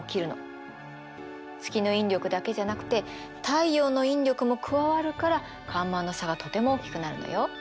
月の引力だけじゃなくて太陽の引力も加わるから干満の差がとても大きくなるのよ。